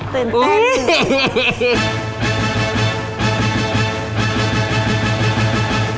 ตื่นเต้นจริง